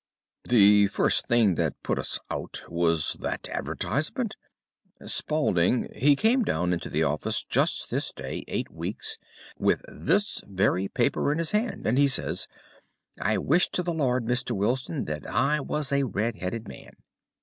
"The first thing that put us out was that advertisement. Spaulding, he came down into the office just this day eight weeks, with this very paper in his hand, and he says: "'I wish to the Lord, Mr. Wilson, that I was a red headed man.